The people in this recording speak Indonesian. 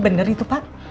bener itu pak